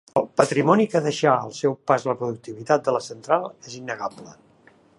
El patrimoni que deixà al seu pas la productivitat de la central és innegable.